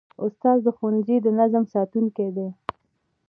استاد د ښوونځي د نظم ساتونکی دی.